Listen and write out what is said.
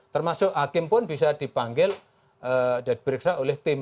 termasuk hakim pun bisa dipanggil dan diperiksa oleh tim